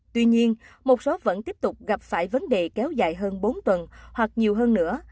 tuy nhiên một số vẫn tiếp tục gặp phải vấn đề kéo dài hơn bốn tuần hoặc nhiều hơn nữa